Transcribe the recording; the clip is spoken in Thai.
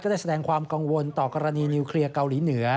ได้แสดงความกังวลต่อกรณีนิวเคลียร์เกาหลีเหนือ